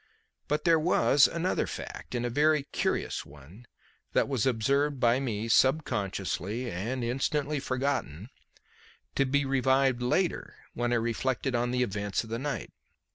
But there was another fact, and a very curious one, that was observed by me subconsciously and instantly forgotten, to be revived later when I reflected on the events of the night.